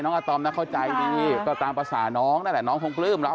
อาตอมนะเข้าใจดีก็ตามภาษาน้องนั่นแหละน้องคงปลื้มเรา